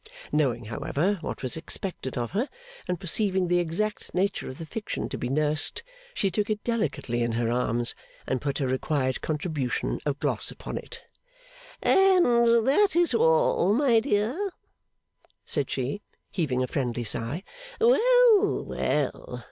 Knowing, however, what was expected of her, and perceiving the exact nature of the fiction to be nursed, she took it delicately in her arms, and put her required contribution of gloss upon it. 'And that is all, my dear?' said she, heaving a friendly sigh. 'Well, well!